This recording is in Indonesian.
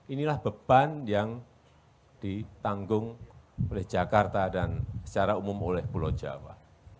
inilah beban yang ditanggung oleh jakarta dan secara umum oleh pulau jawa